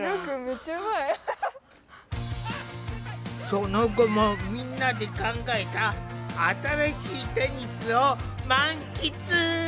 その後もみんなで考えた新しいテニスを満喫！